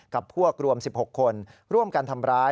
กับพวกรวม๑๖คนร่วมกันทำร้าย